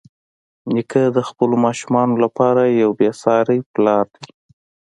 نیکه د خپلو ماشومانو لپاره یو بېساري پلار دی.